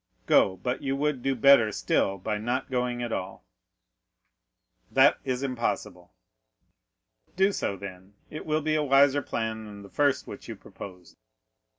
"Go; but you would do better still by not going at all." "That is impossible." "Do so, then; it will be a wiser plan than the first which you proposed."